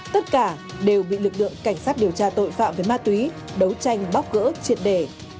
tất cả đều bị lực lượng cảnh sát điều tra tội phạm về ma túy đấu tranh bóc gỡ triệt đề